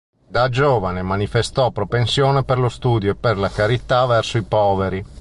Da giovane manifestò propensione per lo studio e per la carità verso i poveri.